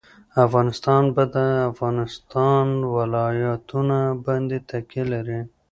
افغانستان په د افغانستان ولايتونه باندې تکیه لري.